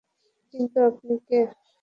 কিন্তু আপনি কে?